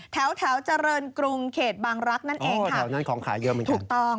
แถวเจริญกรุงเขตบางรักษ์นั่นเองค่ะถูกต้อง